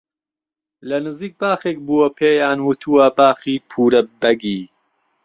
لە نزیک باخێک بووە پێیان وتووە باخی پوورە بەگی